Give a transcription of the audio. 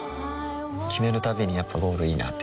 決めるたびにやっぱゴールいいなってふん